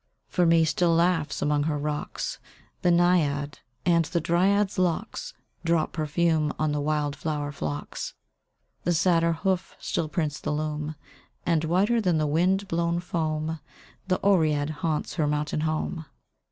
For me still laughs among her rocks The Naiad; and the Dryad's locks Drop perfume on the wild flower flocks. The Satyr hoof still prints the loam; And, whiter than the wind blown foam, The Oread haunts her mountain home.